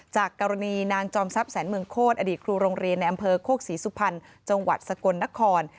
จากกรณีนางจอมทรัพย์แสนเมืองโคตรอดีตครูโรงเรียนในอำเภอโคกศรีสุพรรณจังหวัดสกลนคร